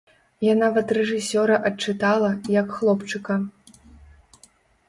Я нават рэжысёра адчытала, як хлопчыка.